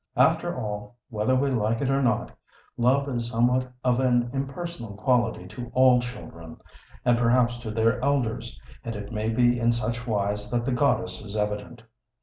After all, whether we like it or not, love is somewhat of an impersonal quality to all children, and perhaps to their elders, and it may be in such wise that the goddess is evident.